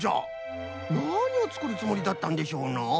なにをつくるつもりだったんでしょうなあ。